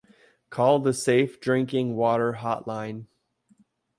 Call the Safe Drinking Water Hotline